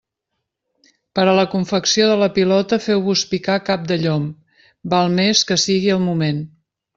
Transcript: Per a la confecció de la pilota feu-vos picar cap de llom, val més que sigui al moment.